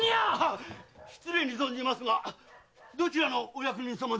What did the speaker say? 失礼に存じますがどちらのお役人さまで？